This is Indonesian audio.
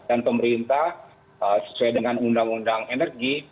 dan pemerintah sesuai dengan undang undang energi